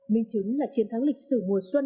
minh chứng là chiến thắng lịch sử mùa xuân